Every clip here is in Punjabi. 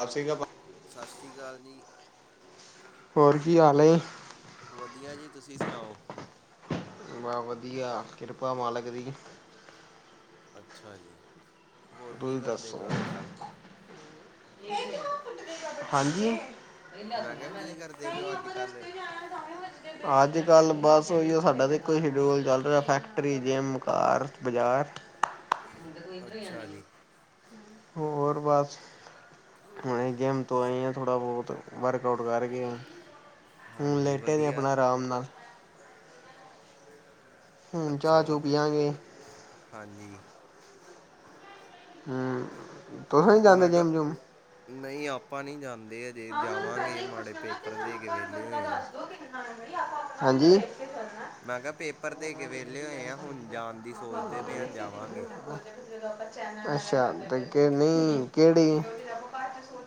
ਸਤਿ ਸ਼੍ਰੀ ਅਕਾਲ। ਸਤਿ ਸ਼੍ਰੀ ਅਕਾਲ ਜੀ। ਹੋਰ, ਕੀ ਹਾਲ ਹੈ ਜੀ। ਵਧੀਆ ਜੀ, ਤੁਸੀਂ ਸੁਣਾਓ। ਬੱਸ ਵਧੀਆ, ਕਿਰਪਾ ਮਾਲਕ ਦੀ। ਅੱਛਾ ਜੀ! ਹੋਰ ਕੀ ਤੁਸੀਂ ਕਰਦੇ ਦੱਸੋ? ਪਏ, ਅੱਜ ਕੱਲ੍ਹ। ਹਾਂਜੀ, ਮੈਂ ਕਿਹਾ ਕੀ ਕਰਦੇ ਪਏ ਹੋ ਅੱਜ ਕੱਲ੍ਹ ਅੱਜ ਕੱਲ, ਬਸ ਉਹੀ ਆ ਸਾਡਾ ਤੇ ਉਹੀ ਸ਼ਡਊਲ ਚੱਲ ਰਿਹਾ-ਫੈਕਟਰੀ, ਜਿੰਮ, ਘਰ, ਬਾਜ਼ਾਰ। ਅੱਛਾ ਜੀ! ਹੋਰ! ਬਸ ਹੁਣੇ, ਜਿਮ ਤੋਂ ਆਏ ਹਾਂ, ਥੋੜ੍ਹਾ- ਬਹੁਤ ਵਰਕਆਊਟ ਕਰਕੇ ਹੁਣ ਹਾਂਜੀ ਲੇਟੇ ਆ, ਵਧੀਆ ਆਪਣਾ ਆਰਾਮ ਨਾਲ। ਹੁਣ ਅੱਛਾ! ਚਾਹ ਚੂ ਪੀਆਂਗੇ। ਹਾਂਜੀ, ਹੂੰ, ਤੁਸੀ ਨਹੀਂ ਜਾਂਦੇ ਮੈਂ ਕਿਹਾ ਜਿੰਮ- ਜੁਮ। ਨਹੀਂ, ਆਪਾਂ ਨਹੀਂ ਜਾਂਦੇ ਹਜੇ, ਜਾਵਾਂਗੇ, ਮਾੜੇ ਜ ਪੇਪਰ ਦੇ ਕੇ ਵਿਹਲੇ ਹੋਏ ਅ ਹਾਂਜੀ, ਮੈਂ ਕਿਹਾ, ਪੇਪਰ ਦੇ, ਕੇ ਵਿਹਲੇ ਹੋਏ ਆ। ਹੁਣ ਜਾਣ ਦੀ ਸੋਚਦੇ ਪਏ ਆ, ਜਾਵਾਂਗੇ। ਅੱਛਾ ਨਹੀਂ, ਕਿਹੜੀ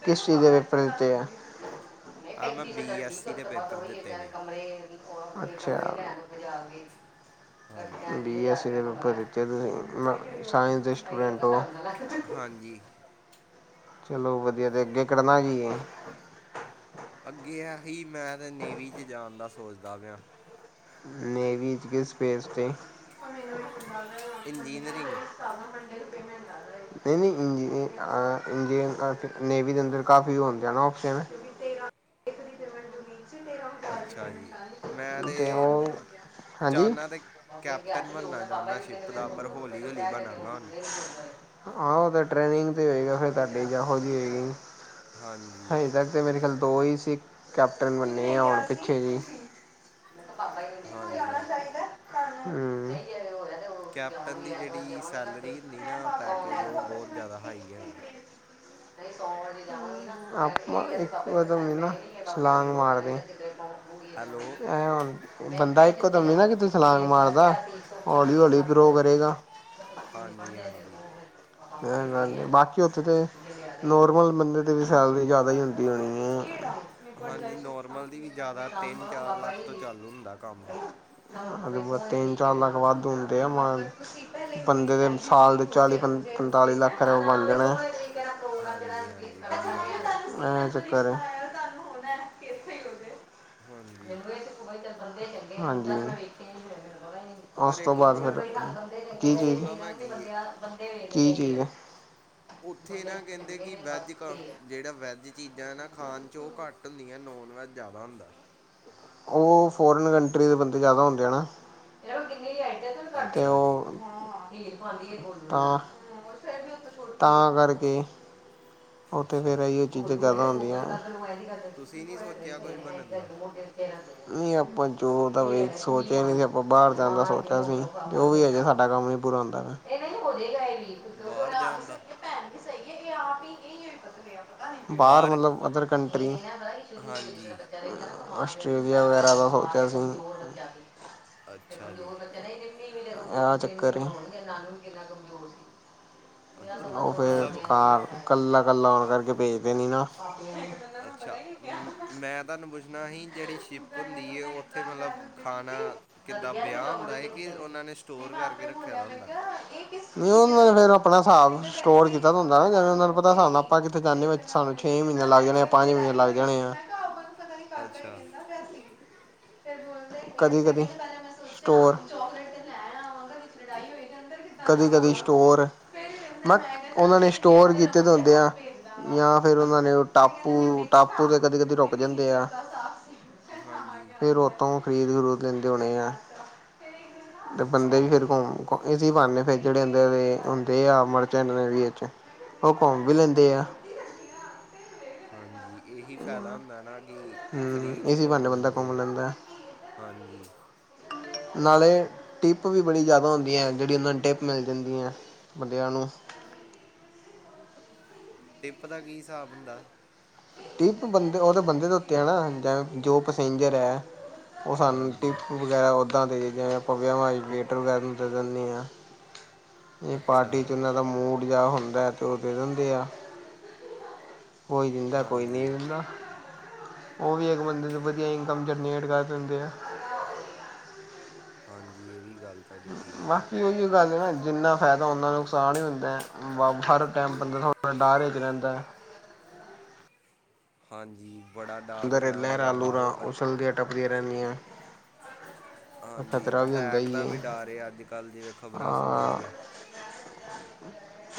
ਕਿਸ ਚੀਜ਼ ਦੇ ਵਿੱਚ? ਪ੍ਰੜਤੇ ਹੈ ਆਹ, ਮੈਂ ਬੀ ਐੱਸਸੀ ਦੇ ਪੇਪਰ ਦਿੱਤੇ ਨੇ। ਅੱਛਾ, ਹਾਂਜੀ ਬੀ ਐੱਸ ਪੇਪਰ ਦਿਤੇ ਤੁਸੀਂ ਸਾਇੰਸ ਦੇ ਸਟੂਡੈਂਟ ਓ? ਹਾਂਜੀ। ਚਲੋ ਵਦੀਆ, ਤੇ ਅੱਗੇ ਕਰਨਾ ਕੀ ਐ? ਅੱਗੇ ਆਹੀ, ਮੈਂ ਤਾਂ ਨੇਵੀ ਚ ਜਾਣ ਦਾ ਸੋਚਦਾ ਪਿਆ। ਨੇਵੀ ਚ, ਕਿਸ ਸਪੇਸ ਤੇ। ਇੰਜੀਨੀਅਰਿੰਗ। ਮੰਡੇ ਨੂੰ ਪੇਮੈਂਟ ਨਈ-ਨਈ, ਨੇਵੀ ਦੇ ਅੰਦਰ ਕਾਫੀ ਹੁੰਦੇ ਨੇ ਨਾ ਓਪਸ਼ਨ। ਅੱਛਾ ਜੀ, ਮੈਂ ਤੇ ਹਾਂਜੀ। ਚਾਹੁੰਦਾ ਤੇ ਕੈਪਟਨ ਬਣਨਾ ਚਾਹੁੰਦਾ ਸ਼ਿਪ ਦਾ ਪਰ ਹੌਲੀ ਹੌਲੀ ਬਣਾਂਗਾ ਹੁਣ ਆਹੋ, ਓ ਤਾਂ ਟ੍ਰੇਨਿੰਗ ਤੇ ਈ ਹੋਏਗਾ, ਫੇਰ ਤੁਆਡੇ ਜੇਹੋ ਜੀ ਹੋਏਗੀ, ਹਾਂਜੀ ਹਜੇ ਤੱਕ। ਓਥੇ ਮੇਰੇ ਖਿਆਲ ਦੋ ਈ ਸੀ, ਕੈਪਟਨ ਬੰਨੇ ਆ ਹੁਣ ਪਿੱਛੇ ਜੇਹੇ [inaudible] ਹਾਂਜੀ। ਹੂੰ ਕੈਪਟਨ ਦੀ ਜੇੜੀ ਸੈਲਰੀ ਹੁੰਦੀ ਨਾ, ਪੈਕੇਜ ਓਹ ਬੋਤ ਜਾਦਾ ਹਾਈ ਹੈਗਾ ਆ। ਨਈਂ ਸੋ ਵਜੇ ਜਾਵਾਂਗੇ। ਆਪਾਂ ਇਕੋਦਮ ਨਈ ਨਾ ਛਲਾਂਗ ਮਾਰਦੇ। ਹੈਲੋ। ਐ ਹੁਣ, ਬੰਦਾ ਇੱਕੋ ਦਮ ਨਈ ਨਾ ਕਿਤੇ ਸਲਾਂਗ ਮਾਰਦਾ, ਹੌਲੀ-ਹੌਲੀ ਗਰੋ ਕਰੇਗਾ। ਹਾਂਜੀ-ਹਾਂਜੀ। ਬਾਕੀ ਓਥੇ ਤੇ ਨੋਰਮਲ ਬੰਦੇ ਦੀ ਵੀ ਸੈਲਰੀ ਜਾਦਾ ਈ ਹੁੰਦੀ ਹੋਣੀ ਏ ਹਾਂਜੀ ਨੋਰਮਲ ਦੀ ਵੀ ਜਾਦਾ ਤਿੰਨ-ਚਾਰ ਲੱਖ ਤੋਂ ਚਾਲੂ ਹੁੰਦਾ ਕੰਮ ਹਾਂਜੀ ਬਸ ਤਿੰਨ-ਚਾਰ ਲੱਖ ਵੱਦ ਹੁੰਦੇ ਆ ਮਾਨ ਬੰਦੇ ਦੇ ਸਾਲ ਦੇ ਚਾਲੀ ਪੰ ਪੰਤਾਲੀ ਲੱਖ ਰਪਏ ਬਣਜਾਣਾ ਐ ਹਾਂਜੀ-ਹਾਂਜੀ, ਬੜੀ ਰਾਮ ਨਾਲ ਏਹ ਚੱਕਰ ਏ ਹਾਂਜੀ ਹਾਂਜੀ। ਪਰ ਓਸ ਤੋਂ ਇੱਕ ਬਾਦ ਫੇਰ, ਪ੍ਰੋ ਕੀ ਪ੍ਰੋਬਲਮ ਹੈਗੀ ਏ ਚੀਜ਼-ਕੀ ਚੀਜ਼ ਓਥੇ ਨਾ ਕੈਂਦੇ ਕਿ ਵੈਦਿਕਾਂ ਜੇੜਾ ਵੈਜ ਚੀਜ਼ਾਂ ਐ ਨਾ ਖਾਣ ਚ ਓ ਘੱਟ ਹੁੰਦੀਆਂ, ਨੋਨ ਵੈੱਜ ਜਾਦਾ ਹੁੰਦਾ ਓ ਫੋਰਨ ਕੰਟਰੀ ਦੇ ਬੰਦੇ ਜਾਦਾ ਹੁੰਦੇ ਆ ਨਾ, ਤੇ ਅੱਛਾ ਜੀ ਓ ਤਾਂ, ਤਾਂ ਕਰਕੇ ਓਥੇ ਤੇ ਅੱਛਾ ਫੇਰ ਏਈਓ ਚੀਜ਼ਾਂ ਜਾਦਾ ਹੁੰਦੀਆਂ ਤੁਸੀਂ ਨਹੀਂ ਸੋਚਿਆ ਕੁਛ ਬਣਨ ਦਾ [unintelligible] ਨਈ ਆਪਾਂ ਜੋਬ ਦਾ ਵੀ ਸੋਚਿਆ ਨੀ ਸੀ, ਆਪਾਂ ਬਾਰ ਜਾਣ ਦਾ ਸੋਚਿਆ ਸੀ, ਤੇ ਔਵੀ ਹੈਗਾ ਸਾਡਾ ਕੰਮ ਬੁਰਾ ਹੁੰਦਾ ਐ ਨਾ ਬਾਰ ਜਾਣ ਦਾ ਬਾਰ ਬਾਹਰ ਮਤਲਬ ਅਦਰ ਕੰਟ੍ਰੀ ਹਾਂਜੀ ਆਸਟ੍ਰੇਲੀਆ ਵਗੈਰਾ ਦਾ ਸੋਚਿਆ ਸੀ। ਅੱਛਾ ਜੀ। ਆ ਚੱਕਰ ਏ ਮੇਰਾ ਨਾਨੂ ਵੀ ਕਿੰਨਾ ਕਮਜ਼ੋਰ ਸੀ। ਅੱਛਾ ਉਹ ਫੇਰ ਮਤਲਬ ਕਾਰ ਕੱਲਾ-ਕੱਲਾ ਹੋਨ ਕਰਕੇ ਭੇਜਦੇ ਨੀ ਨਾ। ਅੱਛਾ ਮ ਮੈਂ ਤੁਹਾਨੂੰ ਪੁੱਛਣਾ ਹੀ ਜੇੜੀ ਸ਼ਿਪ ਹੁੰਦੀ ਏ ਉੱਥੇ ਮਲਬ ਖਾਨਾ ਕਿੱਦਾਂ ਬਯਾ ਹੁੰਦਾ ਏ ਕਿ ਉਹਨਾਂ ਨੇ ਸਟੋਰ ਕਰਕੇ ਰੱਖਿਆ ਦਾ ਹੁੰਦਾ? ਨਈ ਉਹਨਾਂ ਨੇ ਫੇਰ ਆਪਣਾ ਹਸਾਬ ਸਟੋਰ ਕੀਤਾ ਹੁੰਦਾ ਨਾ ਜਿਵੇਂ ਉਹਨਾਂ ਨੂੰ ਪਤਾ ਸਾਬ ਨਾਲ ਆਪਾਂ ਕਿੱਥੇ ਜਾਨੇ ਬ ਸਾਨੂੰ ਛੇ ਮਹੀਨੇ ਲੱਗ ਜਾਣੇ ਆ, ਪੰਜ ਮਹੀਨੇ ਲੱਗ ਜਾਣੇ ਆ। ਅੱਛਾ। ਕਦੀ-ਕਦੀ ਸਟੋਰ ਕਦੀ-ਕਦੀ ਹੈਲੋ ਸਟੋਰ, ਮਤ ਉਹਨਾਂ ਨੇ ਸਟੋਰ ਕੀਤੇ ਦੇ ਹੁੰਦੇ ਆ। ਯਾ ਫੇਰ ਉਹਨਾ ਨੇ ਉਹ ਟਾਪੂ-ਟਾਪੂ ਤੇ ਕਦੇ-ਕਦੇ ਰੁਕ ਜਾਂਦੇ ਆ। ਹਾਂਜੀ। ਫਿਰ ਉਤੋਂ ਖਰੀਦ-ਖਰੂਦ ਲੈਂਦੇ ਹੋਣੇ ਆ ਤੇ ਬੰਦੇ ਅੱਛਾ ਵੀ ਜੀ ਫਿਰ ਘੁੰਮ ਇਸੀ ਬਾਨੇ ਫੇਰ ਜੇੜੇ ਹੁੰਦੇ ਵੇ ਹੁੰਦੇ ਆ ਮਰਚੈਂਨ ਨੇਵੀ ਵਿਚ ਓ ਘੁੰਮ ਵੀ ਲੈਂਦੇ ਆ। ਹਾਂਜੀ ਇਹੀ ਫੇਦਾ ਹੁੰਦਾ ਨਾ ਕਿ ਹਮ ਫ੍ਰੀ ਚ ਹੀ ਇਸੀ ਘੁੰਮ ਬਹਾਨੇ ਬੰਦਾ ਲੈਂਦੇ ਘੁੰਮ ਐ ਲੈਂਦਾ ਹਾਂਜੀ। ਨਾਲੇ ਟਿੱਪ ਵੀ ਬੜੀ ਜਾਦਾ ਹੁੰਦੀ ਐ ਜੇੜੀ ਉਹਨਾਂ ਨੂੰ ਟਿੱਪ ਮਿਲ ਜਾਂਦੀ ਐ। ਬੰਦਿਆ ਨੂੰ। ਟਿੱਪ ਦਾ ਕੀ ਹਿਸਾਬ ਹੁੰਦਾ? ਟਿਪ ਬੰਦੇ ਔ ਤੇ ਬੰਦੇ ਦੇ ਉੱਤੇ ਆ ਨਾ ਜ ਜੋ ਪੈਸੇਂਜਰ ਐ। ਉਹ ਸਾਨੂੰ ਹਾਂਜੀ ਟਿਪ ਵਗੈਰਾ ਉੱਦਾਂ ਦੇ ਦੇਂਦੇ ਨੇ ਅਪਾ ਵਿਆਵਾ ਇਚ ਵਗੈਰਾ ਵੇਟਰ ਵਗੈਰਾ ਨੂੰ ਦੇ ਦਿੰਦੇ ਆ। ਏ ਅੱਛਾ ਪਾਰਟੀ ਚ ਨਾ ਮੂਡ ਜਾ ਹੁੰਦਾ ਤੇ ਉਹ ਦੇ ਦਿੰਦੇ ਆ ਕੋਈ ਵੀ। ਕੋਈ ਨੀ ਹਾਂਜੀ ਦਿੰਦਾ ਓ ਵੀ ਇੱਕ ਬੰਦੇ ਦਾ ਵਧੀਆ ਇਨਕਮ ਜਨਰੇਟ ਕਰਦੇ ਦਿੰਦੇ ਐ। ਹਾਂਜੀ ਏ ਵੀ ਗੱਲ ਤੁਹਾਡੀ ਠੀਕ ਹੈ ਬਾਕੀ ਉਈਯੋ ਗੱਲ ਏ ਨਾ ਜਿੰਨਾ ਫਾਇਦਾ ਹੁੰਦਾ ਨੁਕਸਾਨ ਹੀ ਹੁੰਦਾ ਹਰ ਟੈਮ ਬੰਦਾ [unintelligible] ਦਾਰ ਚ ਰੇੰਦਾ। ਹਾਂਜੀ ਬੜਾ ਡਾਰ ਅੰਦਰ ਹੁੰਦਾ ਮਲਬ ਲਹਿਰਾਂ ਲੂਹਰਾਂ ਬਾਰੋ ਉਛਲਦੀਆਂ ਟੱਪਦੀਆਂ ਰਹਿੰਦੀਐ। ਹਾਂਜੀ ਅਟੈਕ ਦਾ ਵੀ ਡਰ ਏ ਅੱਜ-ਕੱਲ ਜਿਵੇਂ ਖ਼ਬਰਾਂ ਸੁਨੀ ਹਾਂ ਦੀਐ।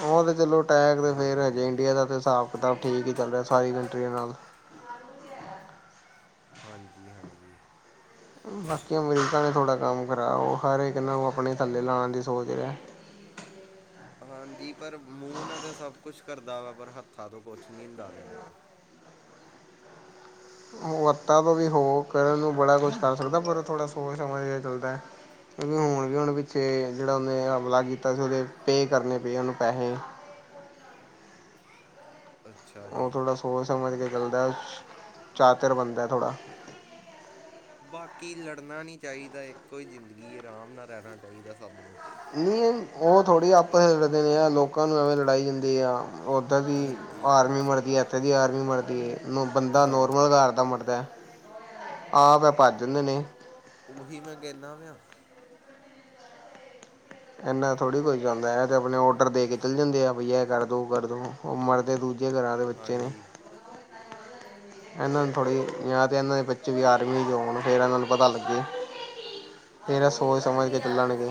ਉਹ ਤੇ ਚਲੋ ਟੈਕ ਤੇ ਫੇਰ ਹਜੇ ਹਾਂਜੀ ਇੰਡੀਆ ਦਾ ਤੇ ਸਾਬ ਕਿਤਾਬ ਠੀਕ ਹੀ ਚੱਲ ਰਯਾ ਸਾਰੀ ਕੰਟਰੀਆਂ ਨਾਲ। ਹਾਂਜੀ-ਹਾਂਜੀ ਬਾਕੀ ਅਮਰੀਕਾ ਨੇ ਥੋੜ੍ਹਾ ਕੰਮ ਖਰਾਬ ਉਹ ਹਰ ਇੱਕ ਨੂੰ ਆਪਣੇ ਥੱਲੇ ਲਾਣ ਦੀ ਸੋਚ ਰਿਆ। ਹਾਂਜੀ, ਪਰ ਮੂੰਹ ਨਾ ਤਾਂ ਸਭ ਕੁਛ ਕਰਦਾ ਵਾ ਪਰ ਹੱਥਾਂ ਤੋਂ ਕੁਛ ਨੀ ਹੁੰਦਾ ਪਆ ਓਦੇ ਕੋ। ਓ ਹਥਾ ਤੋਂ ਵੀ ਹੋ ਕਰਨ ਨੂੰ ਬੜਾ ਕੁਛ ਕਰ ਸਕਦਾ ਪਰ ਥੋੜਾ ਸੋਚ ਸਮਝ ਕੇ ਚੱਲਦਾ। ਹੁਨ ਜੋਨ ਪਿੱਛੇ ਜੇੜਾ ਉਨੇ ਹਮਲਾ ਕੀਤਾ ਸੀ ਉਹਦੇ ਪੇਅ ਕਰਨੇ ਪਏ ਉਹਨੂੰ ਪੈਹੇ। ਅੱਛਾ ਓ ਜੀ ਥੋੜ੍ਹਾ ਸੋਚ ਸਮਝ ਕੇ ਚੱਲਦਾ ਚਾਤਿਰ ਬੰਦਾ ਥੋੜ੍ਹਾ। ਬਾਕੀ ਲੜਨਾ ਨੀ ਚਾਈਦਾ ਇੱਕੋ ਹੀ ਜ਼ਿੰਦਗੀ ਏ ਰਾਮ ਨਾਲ ਰੇਨਾ ਚਾਈਦਾ ਸਭ ਨੂੰ। ਨੀ ਉਹ ਥੋੜ੍ਹੀ ਆਪਸ ਚ ਲੜਦੇ ਨੇ ਆ ਲੋਕਾਂ ਨੂੰ ਐਵੇਂ ਲੜਾਈ ਜਾਂਦੇ ਆ। ਓਧਰ ਦੀ ਹਾਂਜੀ ਆਰਮੀ ਮਰਦੀ ਏ, ਐਥੇ ਦੀ ਆਰਮੀ ਮਰਦੀ ਏ। ਬੰਦਾ ਹਾਂ ਨੋਰਮਲ ਘਰ ਦਾ ਮਰਦਾ ਆਪ ਐ ਭੱਜ ਜਾਂਦੇ ਨੇ। ਉਹੀ ਮੈਂ ਕਹਨਾ ਪਆ। ਇੰਨਾ ਥੋੜ੍ਹੀ ਕੋਈ ਜਾਂਦਾ ਐ ਤੇ ਆਪਣੇ ਔਡਰ ਦੇ ਕੇ ਚਲ ਜਾਂਦੇ ਆ ਬਈ ਇਹ ਕਰਦੋ ਉਹ ਕਰਦੋ ਉਹ ਮਰਦੇ ਦੂ ਜੇ ਕਰਾ ਦੇ ਬੱਚੇ ਨੇ। ਹਾਂਜੀ ਇਹਨਾਂ ਨੂੰ ਥੋੜ੍ਹੀ ਜਾਂ ਤੇ ਇਹਨਾਂ ਦੇ ਬੱਚੇ ਵੀ ਆਰਮੀ ਚ' ਹੋਣ ਫੇਰ ਇਹਨਾਂ ਨੂੰ ਪਤਾ ਲੱਗੇ। ਫੇਰ ਇਹ ਏ ਗੱਲ ਸੋਚ ਤੁਹਾਡੀ -ਸਮਝ ਕੇ ਠੀਕ ਹੈ ਚੱਲਣਗੇ।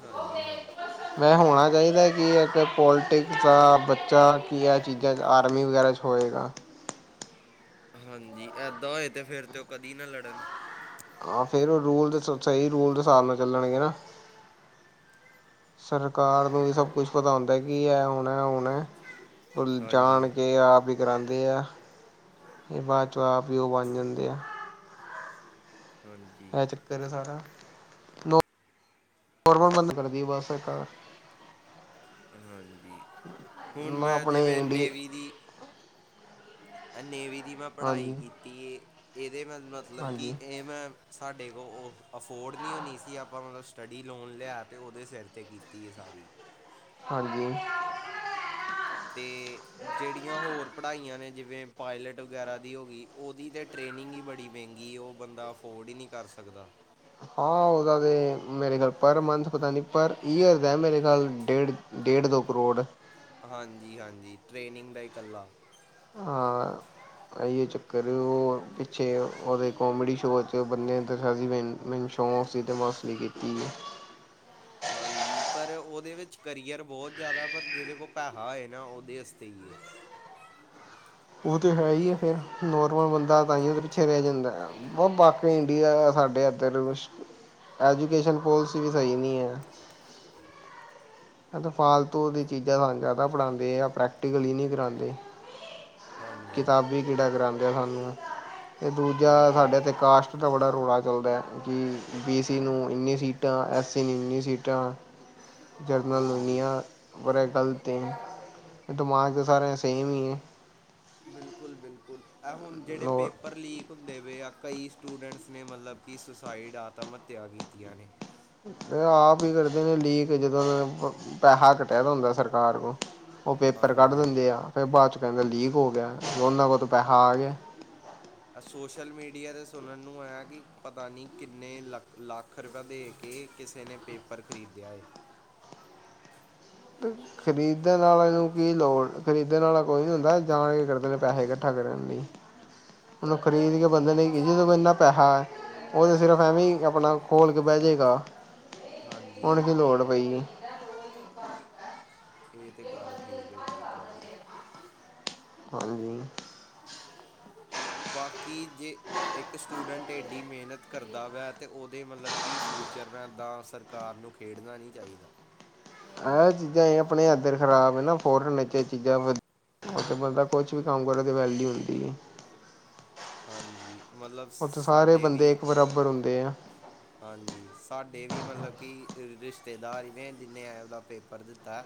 ਹਾਂਜੀ ਹਾਂਜੀ ਮੈ ਹੋਣਾ ਚਾਹੀਦੈ ਕਿ ਇੱਕ ਪੋਲੀਟਿਕਸ ਦਾ ਬੱਚਾ ਕੀ ਐ ਚੀਜ਼ਾਂ ਚ' ਆਰਮੀ ਵਗੈਰਾ ਚ' ਹੋਏਗਾ। ਹਾਂਜੀ। ਏਦਾਂ ਹੋਏ ਤੇ ਫੇਰ ਤੇ ਉਹ ਕਦੀ ਨਾ ਲੜਨ। ਆਹ ਫੇਰ ਉਹ ਰੂਲ ਦੇ ਸ ਸਹੀ ਰੂਲ ਦੇ ਸਾਬ ਨਾਲ ਚੱਲਣਗੇ ਨਾ। ਸਰਕਾਰ ਨੂੰ ਵੀ ਸਭ ਕੁਛ ਪਤਾ ਹੁੰਦਾ ਕਿ ਐ ਹੋਣਾ ਐ ਹੋਣਾ। ਜਾਣ ਹਾਂਜੀ ਕੇ ਆਪ ਈ ਕਰਾਂਦੇ ਆ। ਤੇ ਬਾਅਦ ਚੋਂ ਆਪੇ ਓ ਬਣ ਜਾਂਦੇ ਆ। ਹਾਂਜੀ। ਫੇਰ ਸਾਰਾ, ਨੌਕਰੀ ਬੰਦ ਕਰਦੀ ਐ ਬਸ ਸਰਕਾਰ। ਹਾਂਜੀ। ਹੁਣ ਨਾ ਮੈਂ ਆਪਣੇ ਜਿਵੇਂ ਇੰਡੀ ਨੇਵੀ ਦੀ ਨੇਵੀ ਦੀ ਮੈਂ ਪੜ੍ਹਾਈ ਹਾਂਜੀ ਕੀਤੀ ਏ, ਇਹਦੇ ਮੈਂ ਮਤਲਬ ਕਿ ਹਾਂਜੀ ਇਹ ਮੈਂ ਸਾਡੇ ਕੋ ਉਹ ਅਫੋਰਡ ਨਹੀਂ ਹੋਣੀ ਸੀ ਆਪਾਂ ਹੁਣ ਸਟੱਡੀ ਲੋਨ ਲਿਆ ਤੇ ਉਹਦੇ ਸਿਰ ਤੇ ਅਤੇ ਕੀਤੀ ਐਹ ਸਾਰੀ। ਹਾਂਜੀ ‌। ਤੇ ਜੇਹੜੀਆਂ ਹੋਰ ਪੜ੍ਹਾਈਆਂ ਨੇ ਜਿਵੇਂ ਪਾਇਲਟ ਵਗੈਰਾ ਦੀ ਹੋ ਗਈ ਉਹਦੀ ਤਾਂ ਟ੍ਰੇਨਿੰਗ ਈ ਬੜੀ ਮਹਿੰਗੀ ਏ ਉਹ ਬੰਦਾ ਅਫੋਰਡ ਈ ਨੀ ਕਰ ਸਕਦਾ। ਹਾਂ ਉਹਦਾ ਤੇ, ਮੇਰੇ ਪਰ ਮੰਨਥ ਪਤਾ ਨਹੀਂ ਪਰ ਈਅਰ ਦਾ ਮੇਰੇ ਡੇਢ ਡੇਢ- ਦੋ ਕਰੋੜ। ਹਾਂਜੀ-ਹਾਂਜੀ, ਟ੍ਰੇਨਿੰਗ ਦਾ ਈ ਇਕੱਲਾ। ਹਾਂ। ਐ ਹੀ ਚੱਕਰ ਹੋ ਪਿਛੇ ਕੋਮਡੀ ਸ਼ੋ ਵਿਚ ਬੰਦੇ ਦਿਖਾ ਸੀ ਮਿਨਜ। ਸ਼ੌਕ ਸੀ ਤਾਂ ਮਸਟਰੀ ਕੀਤੀ ਏ। ਹਾਂਜੀ, ਪਰ ਉਹਦੇ ਵਿੱਚ ਕਰੀਅਰ ਬਹੁਤ ਜ਼ਿਆਦਾ ਪਰ ਜਿਹਦੇ ਕੋਲ ਪੈਸਾ ਏ ਨਾ ਉਹਦੇ ਵਸਤੇ ਈ ਏ। ਉਹ ਤਾਂ ਹੈ ਈ ਏ ਫੇਰ, ਨੋਰਮਲ ਬੰਦਾ ਤਾਂ ਹੀ ਪਿੱਛੇ ਰਹਿ ਜਾਂਦਾ ਆ। ਬਹੁ ਬਾਕੀ ਇੰਡੀਆ ਐ ਸਾਡੇ ਏਧਰ ਕੁਛ, ਐਜੂਕੇਸ਼ਨ ਪੋਲਿਸੀ ਵੀ ਸਹੀ ਨਹੀਂ ਐ। ਫਾਲਤੂ ਦੀ ਚੀਜ਼ਾਂ ਸਾਨੂੰ ਜ਼ਿਆਦਾ ਪੜ੍ਹਾਦੇ ਆ ਪ੍ਰੈਕਟੀਕਲੀ ਈ ਨੀ ਕਰਾਦੇ। ਹਾਂਜੀ। ਵੀ [unintelligible] ਕਰਾਦੇ ਆ ਸਾਨੂੰ ਤੇ ਦੂਜਾ ਬਿਲਕੁਲ ਸਾਡੇ ਇੱਥ ਕਾਸਟ ਤਾਂ ਬੜਾ ਰੌਲਾ ਚੱਲਦਾ, ਕਿ ਬੀ ਸੀ ਨੂੰ ਏਨੀ ਸੀਟਾਂ ਐੱਸ ਸੀ ਨੂੰ ਏਨੀ ਸੀਟਾਂ ਜਰਨਲ ਨੂੰ ਹਾਂਜੀ ਏਨੀਆਂ ਬੜੇ ਗਲਤ ਐ। ਦਿਮਾਗ ਤਾ ਸਾਰੇ ਸੇਮ ਈ ਐ। ਬਿਲਕੁਲ-ਬਿਲਕੁਲ, ਐ ਹੁਣ ਜਿਹੜੇ ਪੇਪਰ ਔਰ ਪੇਪਰ ਲੀਕ ਹੁੰਦੇ ਪਏ ਆ, ਕਈ ਸਟੂਡੈਂਟਸ ਨੇ ਮਤਲਬ ਕਿ ਸੁਸਾਈਡ ਆਤਮ ਹੱਤਿਆ ਕੀਤੀਆਂ ਨੇ। ਤੇ ਆਪ ਹੀ ਕਰਦੇ ਨੇ ਲੀਕ ਜਦੋਂ ਪੈਸਾ ਘਟਿਆ ਦਾ ਹੁੰਦਾ ਸਰਕਾਰ ਕੋਲ। ਉਹ ਪੇਪਰ ਕੱਢ ਹਾਂਜੀ ਦਿੰਦੇ ਆ, ਫਿਰ ਬਾਅਦ ਚ' ਕਹਿੰਦੇ ਲੀਕ ਹੋ ਗਿਆ ਦੋਨਾਂ ਕੋਲ਼ ਤਾ ਪੈਸਾ ਆ ਗਿਆ। [inaudible] ਏ ਸੋਸ਼ਲ ਮੀਡੀਆ ਤੇ ਸੁਣਨ ਨੂੰ ਆਇਆ ਕਿ ਪਤਾ ਨਹੀਂ ਕਿੰਨੇ ਲੱਖ- ਲਾਖ ਲਾਖ ਰਪਯਾ ਦੇ ਕੇ ਕਿਸੇ ਨੇ ਪੇਪਰ ਖਰੀਦਿਆ ਹੈ। ਹੂ ਖਰੀਦਣ ਵਾਲਿਆਂ ਨੂੰ ਕੀ ਲੋੜ? ਖਰੀਦਣ ਆਲਾ ਕੋਈ ਨਹੀਂ ਹੁੰਦਾ, ਜਾਣ ਕੇ ਕਰਦੇ ਨੇ ਪੈਸੇ ਇਕੱਠਾ ਕਰਨ ਲਈ। ਉਹਨੂੰ ਖਰੀਦ ਕੇ ਬੰਦੇ ਨੇ ਜਿਦੇ ਕੋਲ਼ ਇੰਨਾ ਪੈਸਾ ਹੈ। ਉਹ ਤੇ ਸਿਰਫ਼ ਐਵੇਂ ਹੀ ਆਪਣਾ ਖੋਲ ਕੇ ਬਹਿ ਜਾਏਗਾ, ਹਾਂਜੀ ਓਨ ਕੀ ਲੋੜ ਪਈ ਏ। ਇਹ ਤਾਂ ਗੱਲ ਠੀਕ ਹੈਗੀ ਹੈ ਤੁਹਾਡੀ। ਹਾਂਜੀ। ਬਾਕੀ ਜੇ ਇੱਕ ਸਟੂਡੈਂਟ ਐਡੀ ਮਿਹਨਤ ਕਰਦਾ ਵੈ ਤੇ ਉਹਦੇ ਮਤਲਬ ਕਿ ਫਿਊਚਰ ਨਾਲ ਇੱਦਾਂ ਸਰਕਾਰ ਨੂੰ, ਖੇਡਣਾ ਨਈ ਚਾਹੀਦਾ। ਇਹ ਚੀਜ਼ਾਂ ਆਪਣੇ ਏਦਰ ਖਰਾਬ ਏਨਾ, ਫੋਰਨ ਨ ਚੀਜ਼ਾਂ ਵ- ਓਥੇ ਬੰਦਾ ਕੁਝ ਵੀ ਕੰਮ ਕਰੇ ਤੇ ਵੇਲਯੂ ਹੁੰਦੀ ਏ। ਹਾਂਜੀ ਮਤਲਬ ਓਥੇ ਸਾਰੇ ਸਾਡੇ ਬੰਦੇ ਵੀ ਇੱਕ ਬਰਾਬਰ ਹੁੰਦੇ ਆ। ਹਾਂਜੀ, ਸਾਡੇ ਵੀ ਮਤਲਬ ਕਿ ਰਿਸ਼ਤੇਦਾਰ ਈ ਨੇ ਜਿੰਨੇ ਆਲਾ ਪੇਪਰ ਦਿੱਤਾ।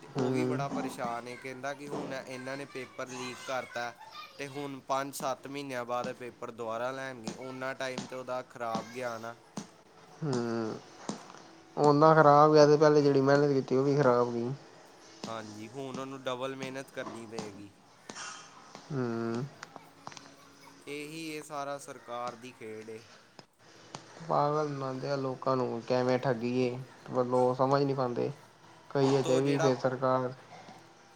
ਤੇ ਉਹ ਵੀ ਹੂੰ ਬੜਾ ਪਰੇਸ਼ਾਨ ਏ, ਕਹਿੰਦਾ ਕਿ ਹੁਣ ਇਹਨਾਂ ਨੇ ਪੇਪਰ ਲੀਕ ਕਰਤਾ। ਤੇ ਹੁਣ ਪੰਜ- ਸੱਤ ਮਹੀਨਿਆਂ ਬਾਅਦ ਏ ਪੇਪਰ ਦੁਬਾਰਾ ਲੈਣਗੇ ਉਹਨਾਂ ਟਾਈਮ ਤੇ ' ਉਹਦਾ ਖ਼ਰਾਬ ਗਿਆ ਨਾ। ਹੂੰ ਓਹਨਾ ਖ਼ਰਾਬ ਗਿਆ ਤੇ ਪਹਿਲੇ ਜਿਹੜੀ ਮਿਹਨਤ ਕੀਤੀ ਉਹ ਵੀ ਖ਼ਰਾਬ ਗਈ। ਹਾਂਜੀ, ਹੁਣ ਉਹਨੂੰ ਡਬਲ ਮਿਹਨਤ ਕਰਨੀ ਪਏਗੀ। ਹੂੰ। ਇਹੀ ਐ ਸਾਰਾ ਸਰਕਾਰ ਦੀ ਖੇਡ ਏ। ਪਾਗਲ ਬਣਾਂਦੇ ਆ ਲੋਕਾਂ ਨੂੰ ਕਿਵੇਂ ਠੱਗੀਏ ਪਰ ਉਹ ਸਮਝ ਨਹੀਂ ਪਾਂਦੇ। ਉੱਤੋਂ ਜਿਹੜਾ-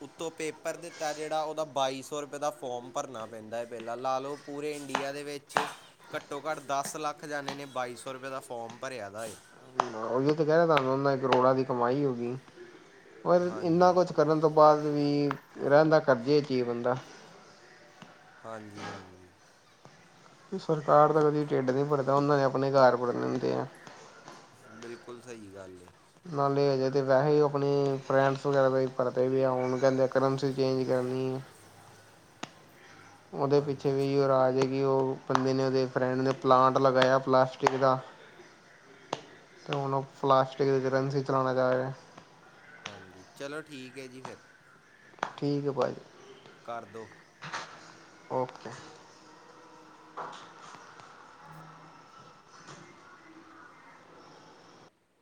ਉੱਤੋਂ ਪੇਪਰ ਦਿੱਤਾ ਜਿਹੜਾ, ਉਹਦਾ ਬਾਈ ਸੌ ਰੁਪਏ ਦਾ ਫੋਮ ਭਰਨਾ ਪੈਂਦਾ ਐ ਪਹਿਲਾਂ, ਲਾ ਲਓ। ਪੂਰੇ ਇੰਡੀਆ ਦੇ ਵਿੱਚ। ਘੱਟੋ ਘੱਟ ਦਸ ਲੱਖ ਜਾਣੇ ਨੇ ਬਾਈ ਸੌ ਰੁਪਏ ਦਾ ਫੋਮ ਭਰਿਆ ਦਾ ਏ। ਓਹੀਓ ਤੇ ਕਹਿ ਰਿਆ ਤੁਹਾਨੂੰ ਉਨਾ ਦੀ ਕਰੋੜਾਂ ਦੀ ਕਮਾਈ ਹੋ ਗਈ, ਪਰ ਇੰਨਾ ਹਾਂਜੀ ਕੁਛ- ਕਰਨ ਤੋਂ ਬਾਅਦ ਵੀ ਰਹਿੰਦਾ ਕਰਜੇ ਵਿਚ ਈ ਏ ਬੰਦਾ। ਹਾਂਜੀ- ਹਾਂਜੀ। ਵੀ ਸਰਕਾਰ ਦਾ ਕਦੀ ਢਿੱਡ ਨੀ ਭਰਦਾ ਉਹਨਾਂ ਨੇ ਆਪਣੇ ਘਰ ਭਰਨੇ ਹੁੰਦੇ ਐ। ਬਿਲਕੁਲ ਸਹੀ ਗੱਲ ਏ। ਨਾਲੇ ਹਜੇ ਤੇ ਵੈਸੇ ਆਪਣੀ ਫਰਿੰਡਸ ਵਗੈਰਾ ਦਾ ਹੀ ਭਰਦੇ ਪੇਯਾ ਹੁਣ ਕਹਿੰਦੇ ਕਰੰਸੀ ਚੇਂਜ ਕਰਨੀ ਐ। ਉਹਦੇ ਹਾਂਜੀ ਪਿੱਛੇ ਵੀ ਅਹਿਯੋ ਰਾਜ ਹੈ ਕੀ ਉਹ ਬੰਦੇ ਨੇ ਉਹਦੇ ਫਰੈਂਡ ਨੇ ਪਲਾਂਟ ਲਗਾਇਆ ਪਲਾਸਟਿਕ ਦਾ। ਤੇ ਹੁਣ ਉਹ ਪਲਾਸਟਿਕ ਦੇ ਕਰੰਸੀ ਚਲਾਣਾ ਜਾ ਰਿਹਾ। ਹਾਂਜੀ, ਚਲੋ ਠੀਕ ਓ ਜੀ ਫੇਰ। ਠੀਕ ਏ, ਭਾਅ ਜੀ। ਕਰਦੋ। ਓਕੇ।